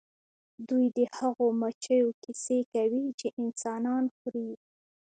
دوی د هغو مچیو کیسې کوي چې انسانان خوري